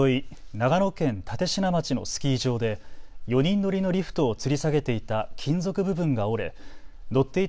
長野県立科町のスキー場で４人乗りのリフトをつり下げていた金属部分が折れ乗っていた